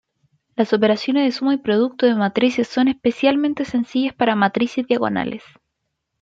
Las operaciones de suma y producto de matrices son especialmente sencillas para matrices diagonales.